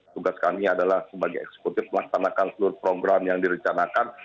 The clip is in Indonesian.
tugas kami adalah sebagai eksekutif melaksanakan seluruh program yang direncanakan